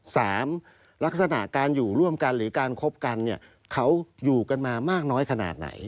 ลักษณะการอยู่ร่วมกันหรือการคบกันเนี่ยเขาอยู่กันมามากน้อยขนาดไหน